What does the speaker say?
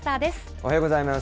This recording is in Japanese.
おはようございます。